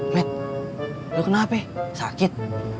bet lu kenapa ya sakit